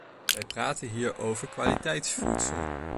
Wij praten hier over kwaliteitsvoedsel!